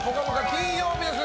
金曜日です。